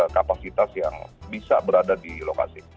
kapasitas yang bisa berada di lokasi